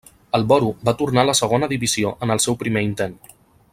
El Boro va tornar a la segona divisió en el seu primer intent.